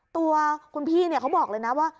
ตัวคุณพี่เขาบอกเลยนะว่า